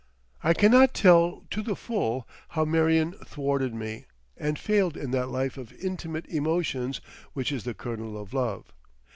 I cannot tell to the full how Marion thwarted me and failed in that life of intimate emotions which is the kernel of love.